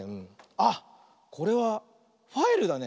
あっこれはファイルだね。